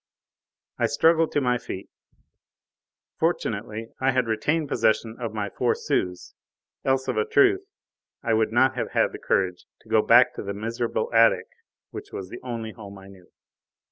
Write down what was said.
I struggled to my feet; fortunately I had retained possession of my four sous, else of a truth I would not have had the courage to go back to the miserable attic which was the only home I knew.